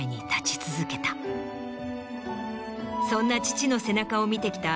そんな父の背中を見てきた。